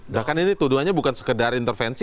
bahkan ini tuduhannya bukan sekedar intervensi